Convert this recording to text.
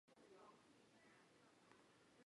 全部站台面均设有屏蔽门。